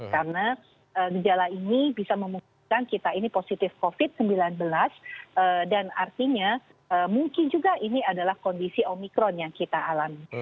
karena gejala ini bisa memungkinkan kita ini positif covid sembilan belas dan artinya mungkin juga ini adalah kondisi omikron yang kita alami